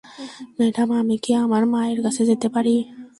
Madam, আমি কি আমার মায়ের কাছে যেতে পারি?